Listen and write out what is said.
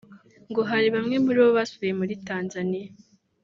ngo hari bamwe muri bo basubiye muri Tanzania